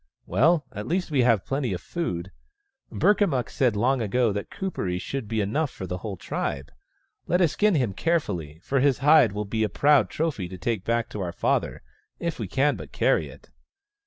" Well, at least we have plenty of food — Burkamukk said long ago that Kuperee should be enough for the whole tribe. Let us skin him carefully, for his hide will be a proud trophy to take back to our father — if we can but carry it."